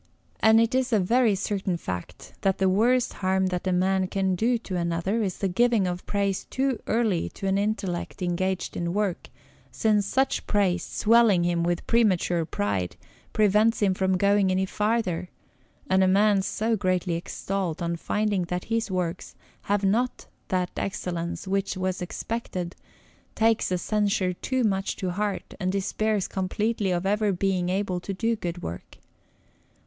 And it is a very certain fact that the worst harm that one man can do to another is the giving of praise too early to any intellect engaged in work, since such praise, swelling him with premature pride, prevents him from going any farther, and a man so greatly extolled, on finding that his works have not that excellence which was expected, takes the censure too much to heart, and despairs completely of ever being able to do good work.